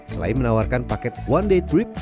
selain menawarkan paket one day trip